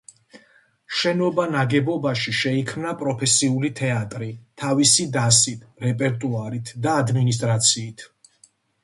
შენობა ნაგებობაში შეიქმნა პროფესიული თეატრი თავისი დასით, რეპერტუარით და ადმინისტრაციით.